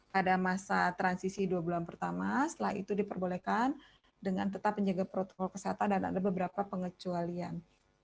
pada masa transisi dua bulan pertama setelah itu diperbolehkan dengan tetap menjaga protokol kesehatan dan ada beberapa pengecualian